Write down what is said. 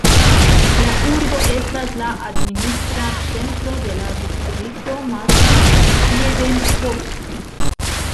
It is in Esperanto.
La urbo estas la administra centro de la distrikto Marburg-Biedenkopf.